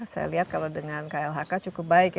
saya lihat kalau dengan klhk cukup baik ya